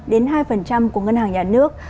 đến hai của ngân hàng nhà nước